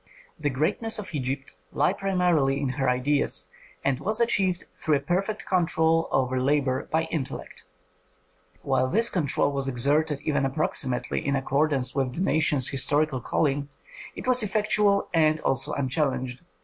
The greatness of Egypt lay primarily in her ideas, and was achieved through a perfect control over labor by intellect. While this control was exerted even approximately in accordance with the nation's historical calling, it was effectual and also unchallenged.